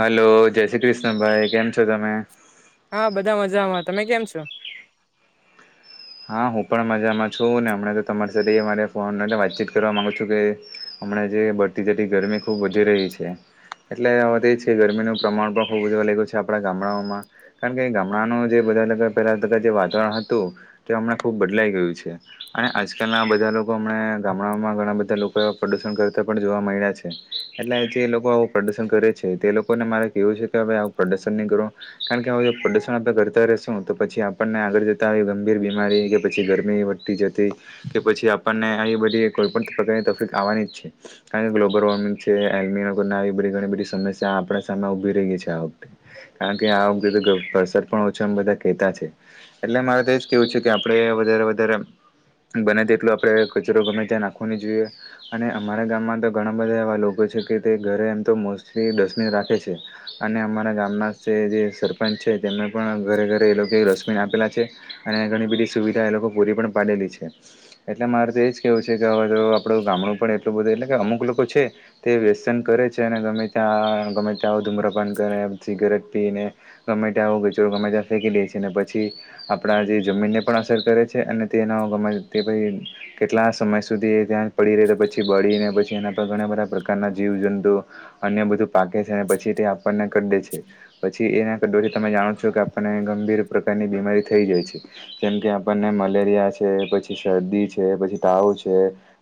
Hello, જય શ્રી કૃષ્ણ, ભાઈ. કેમ છે? હા, બધા મજામાં. તમે કેમ છો? હા, હું પણ મજામાં છું ને. હમણા તો તમારી સાથે મારે ફોન માટે વાતચીત કરવા માગુ છું કે હમણા જે, બઢતી જતી ગરમી ખૂબ વધી રહી છે. એટલે હવે તેજ છે. ગરમીનું પ્રમાણ પણ ખુબ જ લાગ્યું છે આપડા ગામડાઓમાં, કારણ કે ગામડાનું જે પેલા જે વાતાવરણ હતું. તે અમને ખૂબ બદલાઈ ગયું છે. અને આજકાલના બધા લોકો, હમણા ગામડામાં, ઘણા બધા લોકો એકાદ પણ જોવા મળ્યા છે. એટલે, જે લોકો આવુ પ્રદર્શન કરે છે, તે લોકોને મારે કેવું છે કે પ્રદશન ન કરો, કારણ કે હવે પ્રોદર્શન આપણે કરતા શું? તો પછી આપણને આગળ જતા ગમે કે બીમારી, કે પછી ગરમી વધતી જતી, કે પછી આપણને એ બધી કોઈ પણ પ્રકારની તકલીફ. કારણ કે ગ્લોબલ વોર્મિંગ છે. એ આવી બધી ઘણી બધી સમસ્યા આપણા સામે ઉભી રહી છે. કારણ કે આ વખતે પણ ઓછો, બધા કેતા છે. એટલે મારે કેવું છે કે, આપડે વધારે વધારે બને તેટલો, આપડે કચરો ગમે ત્યાં નાખવો ન જોઈએ. અને અમારા ગામમાં તો ઘણા બધા એવા લોકો છે. તે ઘરે એમ તો મોસ્ટલી દસબીન રાખે છે. અને અમારા ગામના સરપંચ છે. તેમને પણ ઘરે ઘરે એ લોકો ડસબિન આપેલા છે. અને ઘણી બધી સુવિધા એ લોકો પૂરી પણ પાડેલી છે. એટલે મારે તો એ જ કેહેવું છે કે, હવે તો આપણું ગામ ઘણું પણ એટલું બધું. એટલે કે, અમુક લોકો છે, તે વેસન કરે છે અને ગમે ત્યાં ગમે તો ધુમ્રપાન કરે, સિગરેટ આપીને, ગમે ત્યા આવું કચરો ગમે ત્યાં ફેંકી દે છે ને, પછી આપ આપણા જે જમીનને પણ અસર કરે છે. અને તેના ગમે તે, ભાઈ, કેટલા સમય સુધી એ ત્યાં પડી રહે, તો પછી બળી ને, પછી જેના પર ઘણા બધા પ્રકારના જીવજંતુ, અન્ય બધું પાકે છે. અને પછી, તે આપણને કહે છે. પછી એના દ્વારા, તમે જાણો છો કે, આપણને ગંભીર પ્રકારની બીમારી થઈ જાય છે. જેમ કે, આપણને મલેરિયા છે, પછી શરદી છે, પછી તાવ છે.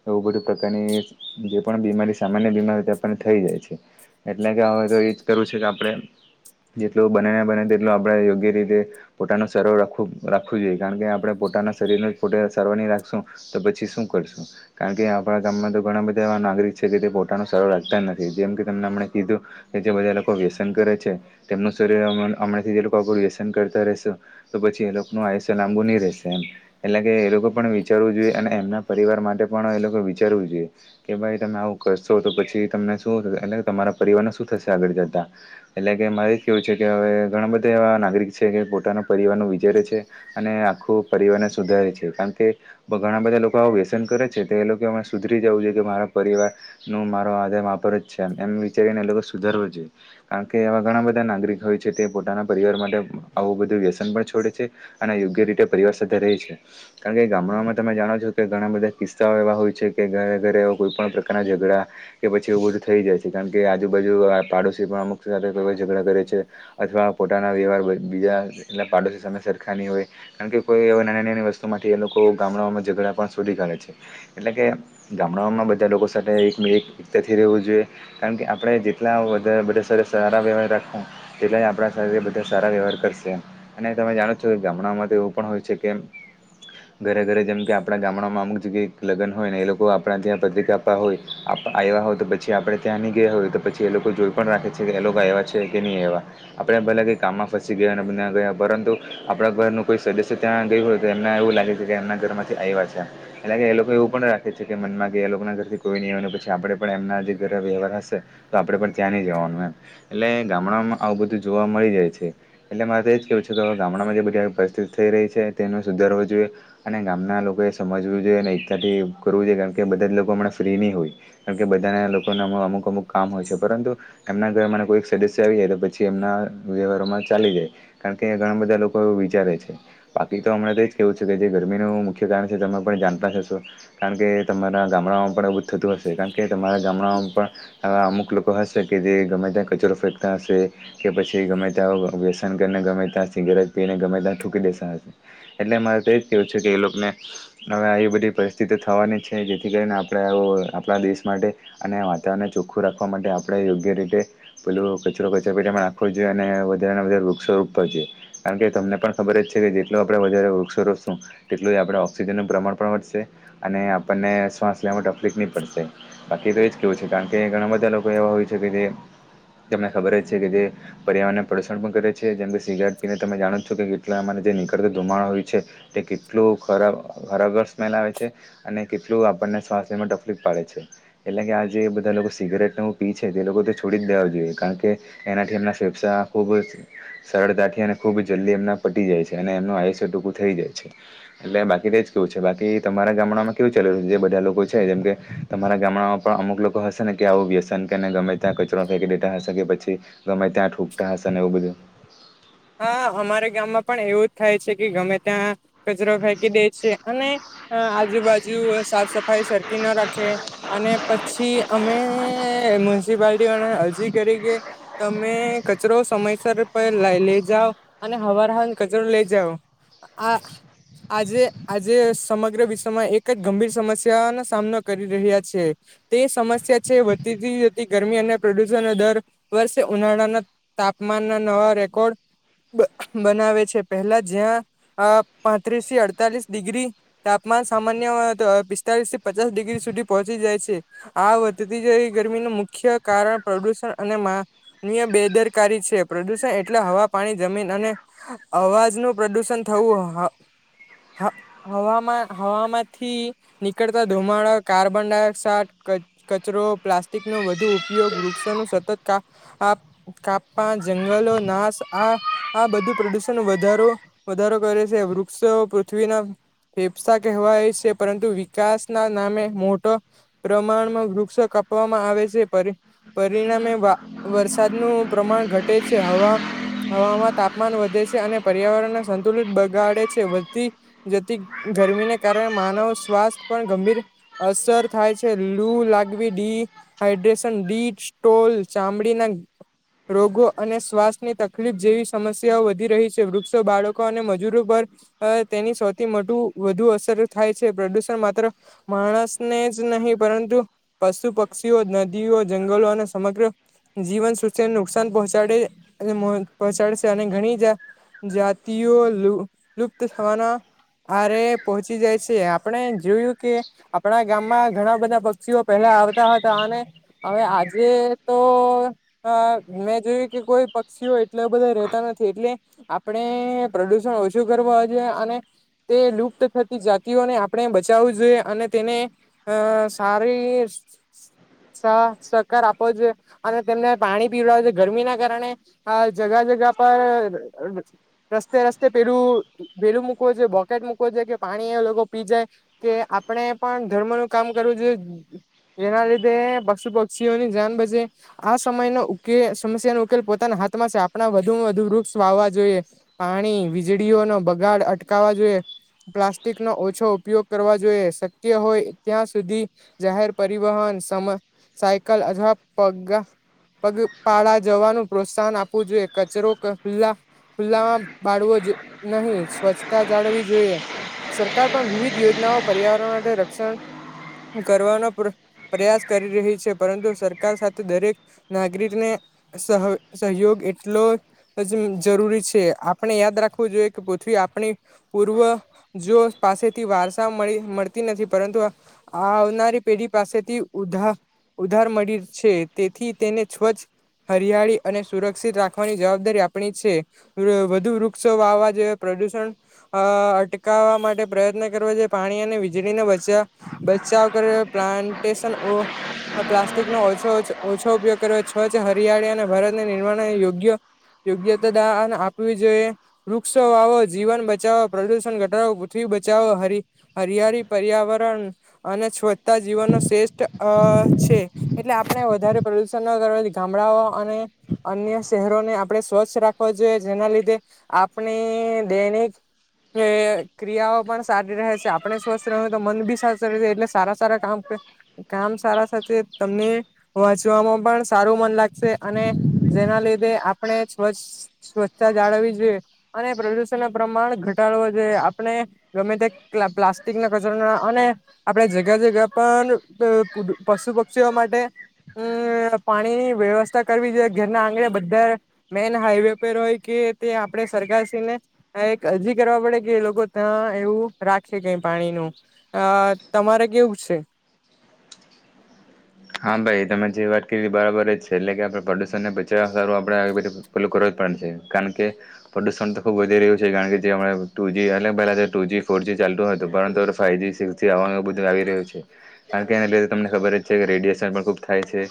એવું, બધું પ્રકારની જે પણ બીમારી સામાન્ય બીમારી તે પણ થઈ જાય છે. એટલે કે, હવે તો એજ કરવું છે કે આપડે. જેટલું બનેને બને, તેટલું આપણે યોગ્ય રીતે પોતાનું સરખુ રાખવું. ખૂબ રાખવું જોઈએ, કારણ કે આપણે પોતાના શરીરને જ પોતે સારુ ની રાખશું, તો પછી શું કરશું? કારણ કે કે આપણા ગામમાં તો ઘણા બધા એવા નાગરિક છે, કે તે પોતાનું સરળ લખતા નથી. જેમ કે, તને કીધું કે જે બધા લોકો વ્યસન કરે છે. તેમનું શરીર હમણાંથી જે લોકો આપું વ્યસન કરતા રહેશ, તો પછી જે લોકોના આયુષ્ય લાંબુ નહી રહેશે, એમ એટલે કે, એ લોકો પણ વિચારવું જોઈએ, અને એમના પરિવાર માટે પણ લોકો વિચારવું જોઈએ કે, ભાઈ, તમે આવું કરશો, તો પછી તમને શું? એટલે તમારા પરિવાર શું થશે? એટલે મારે કેવું છે કે, હવે ઘણા બધા એવા નાગરિક છે, કે પોતાના પરિવાર નું જ્યારે છે, અને આખું પરિવારને સુધારે છે. કારણ કે, ઘણા બધા લોકો આવુ વ્યસન કરે છે. એ લોકો સુધરી જવું જોઈ કે, મારા પરિવાર નું મારો આધાર માપ જ છે, એમ વિચારીને એ લોકો સુધરવા કારણ કે, એવા ઘણા બધા નાગરિક હોય છે, તે પોતાના પરિવાર માટે આવું બધું વ્યસન પણ છોડી દે. અને યોગ્ય રીતે પરિવાર સાથે રહે છે. કારણ કે, ગામડામાં તમે જાણો છો કે ઘણા બધા કિસ્સાઓ એવા હોય છે કે, ઘરે-ઘરે કોઈ પણ પ્રકારના ઝઘડા કે પછી એવું બધું થઈ જાય છે. કારણ કે, આજુબાજુ પાડોશી પણ અમુક સાથે કો ઝઘડા કરે છે, અથવા પોતાના વ્યવહાર બીજા એ પાડોશી સરખાની હોય. કારણ કે, કોઈ એ નાની-નાની વસ્તુમાંથી એ લોકો ગામડાઓમાં ઝઘડા પણ શોધી કાઢે છે. એટલે કે, ગામડાઓમાં બધા લોકો સાથે એક એકતાથી રહેવું જોઈએ. કારણ કે, આપણે જેટલા બહુ સારા વ્યવહાર રાખો, એટલે આપણા સાથે બધા સારા વ્યવહાર કરશે. અને તમે જાણો જો, ગામડાઓમાં તો એવું પણ હોય છે. કે ઘરે-ઘરે, જેમ કે આપણા ગામડામાં અમુક જગ્યાએ લગ્ન હોય ને, એ લોકો આપણા ત્યાં પત્રિકા આપવા આવે. આવ્યા હોય તો પછી આપણેે ત્યાં નહી ગયા હોય તો પછી એ લોકો જોઈ પણ રાખે છે કે એ લોકો આવ્યા છે કે નહી આવ્યા આપણે ભલેલા કં કામમાં ફસી ગયા અને બધ્યાં ગયા પરંતુ આપડા ઘરનું કોઈ સદસ્ય ત્યાં ગયું હોય તો એમને એવું લાગે છે કે, એમના ઘર માંથી આવ્યા છે, એટલે કે એ લોકો એ પણ રાખે છે કે, મનમાં કે એ લોકોના ઘરથી કોઈ નહીં આવવાનું પછી આપણે પણ એમના જે ઘર વ્યવહાર હશે તો આપણે ત્યાં ન જવાનું, એમ એટલે ગામડામાં આવું બધું જોવા મળી રહ્યું છે, એટલે મારે તો એ જ કહેવું છે ગામડામાં જે બધી પરિસ્થિતિ થઈ રહી છે, તેનું સુધારવું જોઈએ અને ગામના લોકો એ સમજવું જોઈએ ને કરવું જોઈએ કારણ કે બધા જ લોકો હમણાં ફ્રી નહીં હોય કારણ કે બધાના લોકો અમુક અમુક કામ હોય છે પર એમના ઘર કોઈ સદસ્ય આવી જાય તો પછી એમના વ્યવહારમાં ચાલી જાય કારણ કે, ઘણા બધા લોકો એ વિચારે છે બાકી તો હમણાં તોજ કેવું છે કે જે, ગરમીનું મુખ્ય કારણ છે તમે પણ જાણતા કારણ કે તમારા ગામડામાં પણ થતું હશે કારણ કે તમારા ગામડામાં પણવા અમુક લોકો હશે કે જે ગમે ત્યાં કચરો ફેંકતા હશે કે પછી ગમે ત્યાં વ્યસન કરીને ગમેતા સિગરેટ પીને ગમે ત્યાં ઠૂકી દેસા હશે, એટલે મારે તો એ જ કવું છે કે, એ લોકોને હવે આવી બધી પરિસ્થિતિ થવાની છે, જેથી કરીને આપણે આવ આપણા દેશ માટે અને વાતાવરણને ચોખ્ખું રાખવા માટે આપણે યોગ્ય રીતે પેલો કચરો કચરા પેટમાં રાખો જોઈએ અને વધારે ને વધારે વૃક્ષો રોપ થ જોઈએ. કારણ કે તમને પણ ખબર જ છે કે, જેટલું આપણે વધારે વૃક્ષો રોપશું તેટલું આપણે ઓક્સિજનનું પ્રમાણ પણ વધશે. અને આપણને શ્વાસ લેવા તકલીફ નહી પડશે બાકી તો એ છે, કારણ કે ઘણા બધા લોકો એવા હોય છે કે જે તમને ખબર જ છે કે જે પર્યાવરણને પ્રદુષણ પણ કરે છે, જેમ કે સિગારેટ પીને તમે જાણો છો કે કેટલા અમારે જે નીકળતું ધુમાડો હોય છે, તે કેટલું ખરાબ ખરાબર સ્મેલ છે અને કેટલું આપણને સ્વાસ્થ્યમાં તકલીફ પાડે છે, એટલે કે આજે બધા લોકો સિગરેટ પી છે, તે લોકો તે છોડી જ દેવા જોઈએ, કારણ કે એનાથી એમના ફેફસા ખૂબ જ સરળતાથી અને ખૂબ જલ્દી એમના પટી જાય છે, અને એમનું આયુષ્ય ટૂંકું થઈ જાય છે, એટલે બાકી તો જ કેવું છે બાકી તમારે તમારા ગામડામાં કેવું ચાલ્યું છે, જે બધા લોકો છે જેમ કે તમારા ગામડામાં પણ અમુક લોકો હશે ને કે આવું વ્યસન કે ગમે ત્યાં કચરો ફેંકી દેતા હશે કે પછી ગમે ત્યાં ઠૂકટા હશે એવું બધું હા. અમારા ગામમાં પણ એવું જ થાય છે કે ગમે ત્યાં કચરો ફેંકી દે છે અને આજુબાજુ સાફ સફાઈ સરખી ના રાખે અને પછી અમે મ્યુનિસિપાલટી વાળા અરજી કરી કે, તમે કચરો સમયસર પર લાવ લેજ જાઓ અને હવાર હાંજ કચરો લઈ જાઓ, આ આજે આજે સમગ્ર વિશ્વમાં એક જ ગંભીર સમસ્યાનો સામનો કરી રહ્યા છીએ તે સમસ્યા છે, વધતીતી હતી ગરમી અને પ્રદૂષણ દર વર્ષે ઉનાળાના તાપમાન ના નવા રેકોર્ડ [inaudible] બનાવે છે, પહેલા જ્યાં પાંત્રીસ થી અડતાલીસ ડિગ્રી તાપમાન સામાન્ય હતું, હવે પિસ્તાલીસ થી પચાસ ડિગ્રી સુધી પહોંચી જાય છે, આ વધતી જ એ ગરમીનું મુખ્ય કારણ પ્રદૂષણ અને માનનીબેદરકારી છે, પ્રદૂષણ એટલે હવા પાણી જમીન અને અવાજનું પ્રદુષણ થવું હ, હવામાં હવામાંથી નીકળતા ધુમાડા કાર્બન ડાયોક્સાઈડ કચરો, પ્લાસ્ટિક નો વધુ ઉપયોગ વૃક્ષો ન સતત કાપ કાપવા જંગલો નાશ આ આ બધું પ્રદુષણ વધારો વધારો કરે છે, વૃક્ષો પૃથ્વીના ફેફસા કહેવાય છે, પરંતુ વિકાસ ના નામે મોટો પ્રમાણમાં વૃક્ષ કાપવામાં આવે છે, ફરી પરિણામે વરસાદનું પ્રમાણ ઘટે છે, હવા હવામાં તાપમાન વધે છે, અને પર્યાવરણ સંતુલિત બગાડે છે. વધતી જતી ગરમીને કારણે માનવ સ્વાસ્થ પર ગંભીર અસર થાય છે, લૂ લાગવી, ડી હાઈડ્રેશન, ડીટ સ્ટોલ, ચામડીના રોગો અને શ્વાસની તક તકલીફ જેવી સમસ્યાઓ વધી રહી છે, વૃક્ષો, બાળકો અને મજૂરો પર તેની સૌથી મોટું વધુ અસર થાય છે. પ્રદુષણ માત્ર માણસને જ નહીં પરંતુ પશુ પક્ષીઓ, નદીઓ, જંગલો અને સમગ્ર જીવનસૃષ્ટિને નુકસાન પહોંચાડે અને [unintelligible] પહોંચાડશે અને ઘણી જાતિઓ લુપ્ત થવાના આરે પહોંચી જાય છે આપણે જોયું કે આપણા ગામમાં ઘણા બધા પક્ષીઓ પહેલા આવતા હતા અને હવે આજે તો મેં જોયું કે કોઈ પક્ષીઓ એટલા બધા રેતા નથી એટલે આપણે પ્રોદ્યુશન ઓછું કરવા અને તે લક ત થતી જાતિઓને આપણે બચાવવું જોઈએ અને તેને અ સારી સ સહકાર આપો જોઇ એ અને તેમને પાણી પીવા છે ગરમી ના કારણે જગા જગા પર રસ્તે રસ્તે પેલું પેલું મૂકોવ જો બોકેટ મૂકો જોો કે પાણી એ લોકો પી જાય કે આપણે પણ ધર્મ નું કામ કરવું જોઈએ એના લીધે પશુ પક્ષીઓની જાનબચે આ સમયનો ઉકેલ સમસ્યાનો ઉકેલ પોતાના હાથમાં જ આપ આપણા વધુમાં વધુ વૃક્ષ વાવવા જોઈએ પાણી વીજળીઓનો બગાડ અટકાવવા જોઈએ પ્લાસ્ટિક નો ઓછો ઉપયોગ કરવા જોઈએ શક્ય હોય ત્યાં સુધી જાહેર પરિવહન [unintelligible] સાયકલ અથવા પગ પગપાળા જવાનું પ્રોત્સાહન આપવું જોઈએ કચરો ખુલ્લા ખુલ્લામાં બાળવો જ નહીં સ્વચ્છતા જાળવી જોઈએ સરકાર પણ વિવિધ યોજનાઓ પર્યાવરણ માટે રક્ષણ કરવાનો પ્રયાસ કરી રહી છે પરંતુ સરકાર સાથે દરેક નાગરિકને સહ સહયોગ એટ એટ જરૂરી છે આપણે યાદ રાખવું જોઈએ કે પથ આપણી પૂર્વ જો પાસેથી વારસા મળી મળતી નથી પરંતુ આવનારી પેઢી પાસેથી ઉ ઉધાર મળી છે તેથી તેને સ્વચ્છ હરિયાળી અને સુરક્ષિત રાખ ની જવાબદારી આપણી છે વધુ વૃક્ષો વાવા જે પ્રદુષણ અટ માટે પ્રયત્ન કર જો પાણી અને વીજળીને બચાવ કરે પ્લાન્ટેશન પ્લાસ્ટિકનોો ઓછ ઓછો ઉપયોગ કર્યો છ જ હરિયાળી અને ભારતના નિર્માણ યોગ્ય યોગ્યતા દાન આપવી જોઈએ વૃક્ષો વાવો જીવન બચાવો પ્રદુષણ ઘટાડો પૃથ્ બચાવો હરયળી પર્યાવરણ અને સ્વ્તા જીવનનો શ્રેષ્ઠ છે એટલે આપણે વધારે પ્રદુષણ ન કરવાથી ગામડાઓ અને અન્ય શહેરોને આપણે સ્વચ્છ રાખવો જોઈએ જેના લીધે આપણી દૈનિક એ ક્રિયાઓ પણ સારી રહે છે આપણે સ્વસ્થ રહે તો મન ભી સાર રહે એટલે સારા સારા કામ કામ સારા સાથે તમને વાંચવામાં પણ સારું મન લાગશે અને જેના લીધે આપણે સ્વ્છ સ્વચ્છતા જાળવી જોઈએ અને પ્રદુષણ ન પ્રમાણ ઘટાડવો જોઈએ આપણે ગમે તે પ્લાસ્ટિક ના કચરો અને આપણે જગ્યા જગ્યા પણ પશુ પક્ષીઓ માટે અમ પાણીની વ્યવસ્થા કરવી જોઈએ ઘરના આંગણે બધા મેન હાઈવે પર હોય કે તે આપણે સરકારશ્રીને એક અરજી કરવા પડે કે લોકો લોકો ત્યાં એવું રાખે કઈ પાણી નું અ તમારે કેવું છે હા ભાઈ તમે જે વાત કરી હતી બરાબર જ છે એટલે કે આપણેે પ્રદુષણ ને બચાવવા સારું આપડ બી પલું કરો કારણ કે પ્રદુષણ તો ખૂબ વધી રહ્યું છે કારણ કે જે ટુ જી પહેલા ટુ જી ફોરજી ચાલતું હતું પરંતુવે ફાઇવ જી સિક્સ જી આવવાનું બધું આવી રહ્યું છે કારણ કે એના લીધે તમને ખબર જ છે રેડિએેશન પણ ખૂબ થાય છે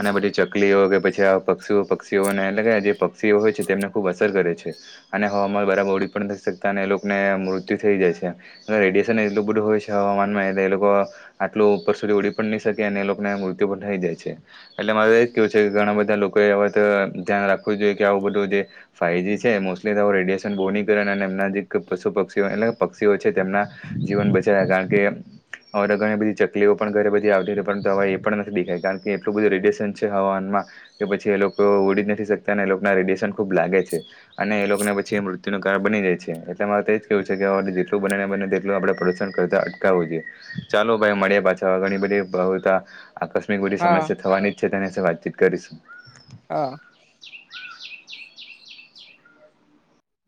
અને પછી ચકલીઓ કે પછી પક્ષીઓ પક્ષીઓને એટલે કે જે સિઓ હોય છે તેમને ખૂબ અસર કરે છે અને હવામાં બરાબ ઓડી પણ નથી શકતા અને એ લોકોને મૃત્યુ થઈ જાય છે રેડિયેશન એટલું બધું હોય છે હવામાનમાં એટલે એ લોકો આટલું ઉપર સુધી ઉડી પણ નહીં શકે અને એ લોકોને મૃત્યુ થઈ જાય છે એટલે મારે એજ કેવું છે કે ઘણા બધા લોકો એ આ વાત ધ્યાન રાખવું આવું બધું જે ફાઈવજી છે મોસ્ટલી રેડિયન બોકરણ અને એમના જે પશુ પક્ષીઓ એ પક્ષીઓ છે તેમના જીવન બચાવ્યા કારણ કે અ ઘણી બધી ચકલીઓ પણ ઘરે બધી આવતી પરંતુ હવે એ પણ નથી દેખાય કારણ કે એટલું બધું રેડિયેશન છે હવામાનમાં કે પછી એ લોકો ઉડી જ નથી શકતા એ ના રેડિયશન ખુબ લાગે છે અને એ લોકોને પછી મૃત્યુ ન કારણ બની જાય છે એટલે મારે તોજ કેવું છે કે જેટલું બનેને બને તેટલું આપણે પ્રદુશણ કરતા અટકાવું જોઈએ ચાલો ભાઈ મળ્યા પાછા ઘણી બધી આકસ્મિક બધી હા સમસ્યા થવાની જ છે તેની સાથે વાતચીત કરીશું હા